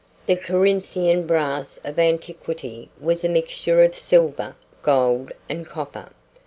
The Corinthian brass of antiquity was a mixture of silver, gold, and copper.